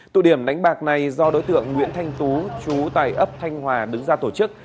tụ điểm đánh bạc này do đối tượng nguyễn thanh tú chú tại ấp thanh hòa đứng ra tổ chức